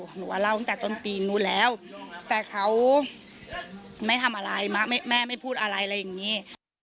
หนูว่าเล่าตั้งแต่ต้นปีนู้นแล้วแต่เขาไม่ทำอะไรแม่ไม่พูดอะไรอะไรอย่างนี้